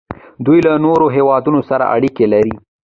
دوی له نورو هیوادونو سره اړیکې لري.